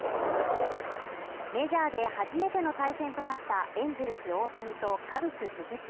メジャーで初めての対戦となったエンゼルス大谷とカブス・鈴木